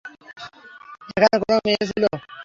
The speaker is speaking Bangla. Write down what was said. এখানে কোনো মেয়ে এসেছিল?